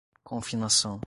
confinação